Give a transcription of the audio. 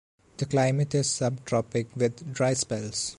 The climate is sub-tropic with dry spells.